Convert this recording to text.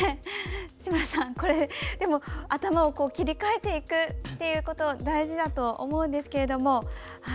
志村さん頭を切り替えていくということが大事だと思うんですけど。